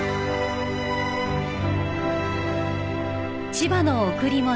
［『千葉の贈り物』］